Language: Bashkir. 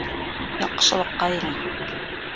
Яҡшылыҡҡа өйрән